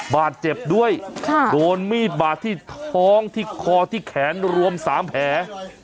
บาดเจ็บด้วยโดนมีดบาดที่ท้องที่คอที่แขนรวม๓แผล